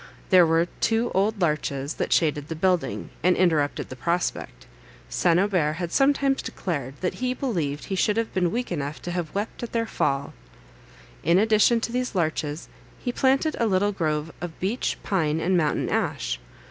There were two old larches that shaded the building, and interrupted the prospect; St. Aubert had sometimes declared that he believed he should have been weak enough to have wept at their fall. In addition to these larches he planted a little grove of beech, pine, and mountain ash.